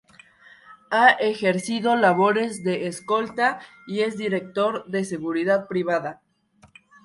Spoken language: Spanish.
Ha ejercido labores de Escolta y es Director de Seguridad Privada.